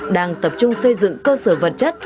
đang tập trung xây dựng cơ sở vật chất